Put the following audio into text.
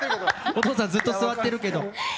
お父さんずっと座ってるけど。